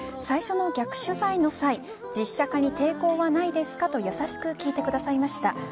最初の逆取材の際実写化に抵抗はないですかと優しく聞いてくださいました。